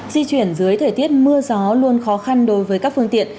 di chuyển dưới thời tiết mưa gió luôn khó khăn đối với các phương tiện